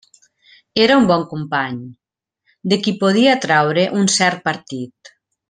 Era un bon company, de qui podia traure un cert partit.